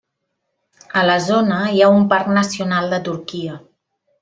A la zona hi ha un Parc Nacional de Turquia.